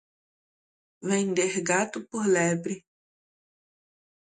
Vender gato por lebre.